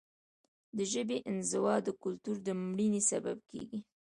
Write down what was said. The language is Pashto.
د ژبې انزوا د کلتور د مړینې سبب کیږي.